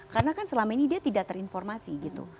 karena kan selama ini dia tidak terinformasi gitu